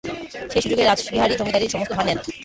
সেই সুযোগে রাসবিহারী জমিদারীর সমস্ত ভার নেন।